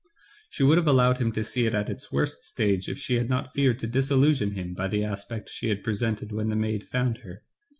She would have allowed him to see it at its worst stage if she had not feared to disillu sionize him by the aspect she had presented when the maid found her.